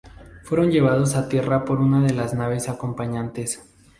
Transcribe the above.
Fueron llevados a tierra por una de las naves acompañantes.